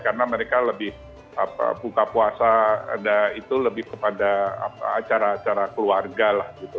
karena mereka lebih buka puasa itu lebih kepada acara acara keluarga lah gitu